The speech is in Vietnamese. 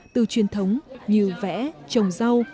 từ truyền thống như vẽ trồng rau